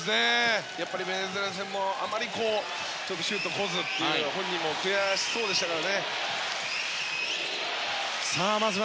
やっぱりベネズエラ戦もあまりシュートが来ずと本人も悔しそうでしたから。